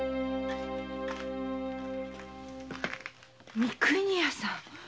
三国屋さん。